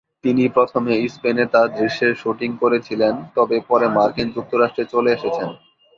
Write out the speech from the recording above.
তিনি প্রথমে স্পেনে তার দৃশ্যের শুটিং করেছিলেন, তবে পরে মার্কিন যুক্তরাষ্ট্রে চলে এসেছেন।